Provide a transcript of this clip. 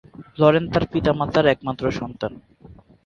Lauren তার পিতামাতার একমাত্র সন্তান।